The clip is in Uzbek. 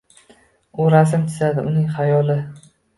U rasm chizadi – uning hayoli